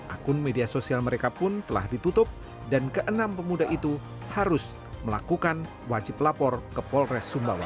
akun media sosial mereka pun telah ditutup dan keenam pemuda itu harus melakukan wajib lapor ke polres sumbawa